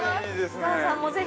◆伊沢さんもぜひ。